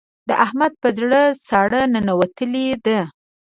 د احمد په زړه ساړه ننوتلې ده.